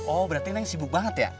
oh berarti neng sibuk banget ya